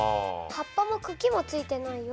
葉っぱもくきもついてないよ。